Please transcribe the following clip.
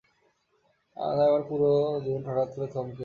তাই, আমার পুরো জীবনটা হঠাৎ থমকে যাই।